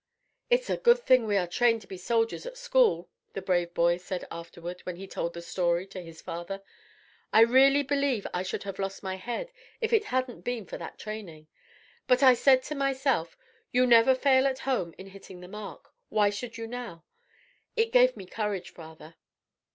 "It's a good thing we are trained to be soldiers at school," the brave boy said afterward, when he told the story to his father. "I really believe I should have lost my head, if it hadn't been for that training. But I said to myself: 'You never fail at home in hitting the mark, why should you now?' It gave me courage, father."